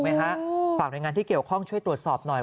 ฝากรายงานที่เกี่ยวข้องช่วยตรวจสอบหน่อย